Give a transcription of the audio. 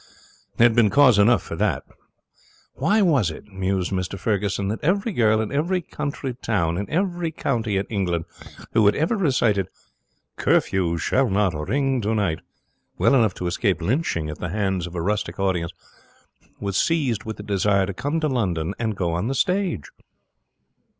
There had been cause enough for that. Why was it, mused Mr Ferguson, that every girl in every country town in every county of England who had ever recited 'Curfew shall not ring tonight' well enough to escape lynching at the hands of a rustic audience was seized with the desire to come to London and go on the stage?